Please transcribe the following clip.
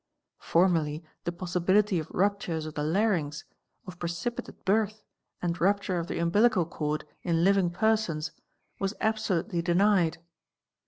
Formerly the possibility of ruptures of the larynx, of precipitate birth, and rupture of the umbilical cord in living persons was absolutely | denied "*?